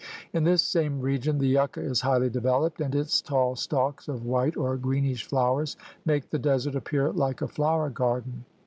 In this same region the yucca is highly developed, and its tall stalks of white or greenish flowers make the desert appear like a flower garden.